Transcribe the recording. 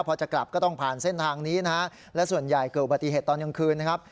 พอจะกลับก็ต้องผ่านเส้นทางนี้นะฮะและส่วนใหญ่เกิดอุบัติเหตุตอนกลางคืนนะครับ